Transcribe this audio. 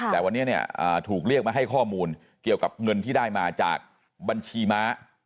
แต่วันนี้เนี่ยถูกเรียกมาให้ข้อมูลเกี่ยวกับเงินที่ได้มาจากบัญชีม้า